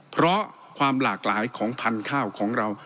เพราะความหลากหลายของพันธุ์ข้าวของเรา